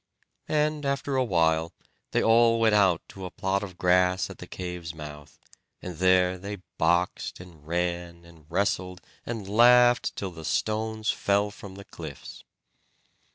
And after a while they all went out to a plot of grass at the cave's mouth, and there they boxed, and ran, and wrestled, and laughed till the stones fell from the cliffs.